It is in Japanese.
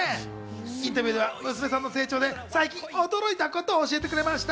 インタビューでは娘さんの成長で最近、驚いたことを教えてくれました。